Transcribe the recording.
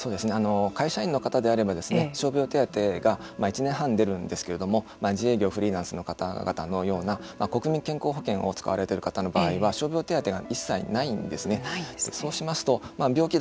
具体的に会社員の方であれば傷病手当が１年半出るんですけれども自営業、フリーランスなどの方々の国民健康保険を使われている方は傷病手当が一切ないんですね。